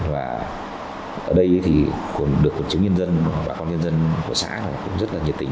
và ở đây thì được chứng nhân dân bà con nhân dân của xã cũng rất là nhiệt tình